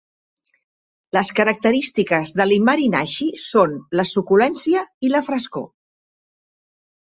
Les característiques de l'Imari nashi són la suculència i la frescor.